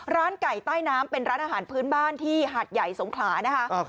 ร้านไก่ใต้น้ำเป็นร้านอาหารพื้นบ้านที่หาดใหญ่สงขลานะคะ